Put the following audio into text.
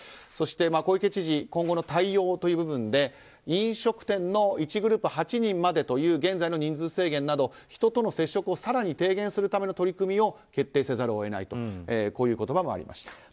そして小池知事今後の対応という部分で飲食店の１グループ８人までという現在の人数制限など人との接触を更に低減するための取り組みを決定せざるを得ないという言葉もありました。